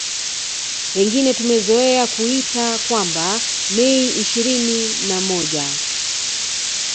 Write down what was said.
Pengine tumezoea kuita kwamba Mei ishirini na moja